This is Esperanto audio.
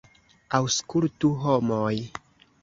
Aŭskultu, homoj!